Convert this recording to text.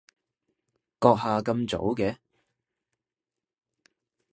閣下咁早嘅？